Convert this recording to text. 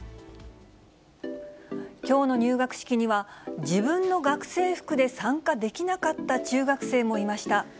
きょうの入学式には、自分の学生服で参加できなかった中学生もいました。